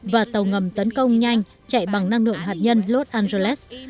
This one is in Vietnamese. và tàu ngầm tấn công nhanh chạy bằng năng lực